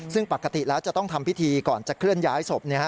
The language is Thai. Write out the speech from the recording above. ซึ่งปกติแล้วจะต้องทำพิธีก่อนจะเคลื่อนย้ายศพ